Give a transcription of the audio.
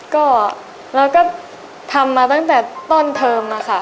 ก็เราก็ทำมาตั้งแต่ต้นเทอมอะค่ะ